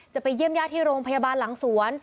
จะไปเยี่ยมญาติที่โรงพยาบาลหลังสวน